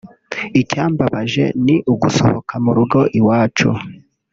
« Icyambabaje ni ugusohoka mu rugo iwacu